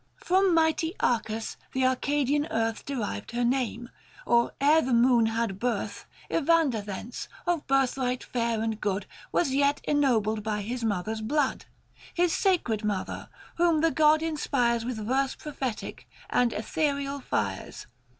From mighty Areas, the Arcadian earth Derived her name, or e'er the moon had birth. Evander thence, of birthright fair and good, Was yet ennobled by his mother's blood, 500 His sacred mother, whom the god inspires With verse prophetic and ethereal fires.